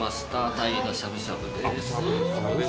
鯛のしゃぶしゃぶです。